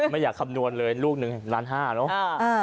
ไม่อยากคำนวณเลยลูกนึง๑๕๐๐๐๐๐บาทเนอะ